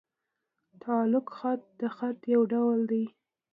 تعلیق خط؛ د خط یو ډول دﺉ.